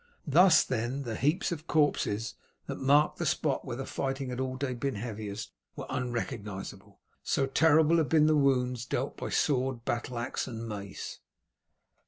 Thus then, the heaps of corpses that marked the spot where the fighting had all day been heaviest, were unrecognizable, so terrible had been the wounds dealt by sword, battle axe, and mace.